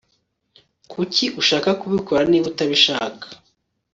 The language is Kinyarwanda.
kuki ushaka kubikora niba utabishaka